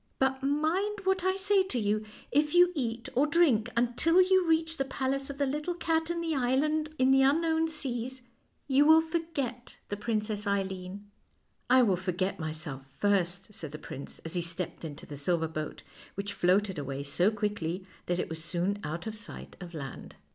But mind what I say to you : if you eat or drink until you reach the palace of the little cat in the island in the unknown seas, you will for get the Princess Eileen." " I will forget myself first," said the prince, as he stepped into the silver boat, which floated away so quickly that it was soon out of sight of land.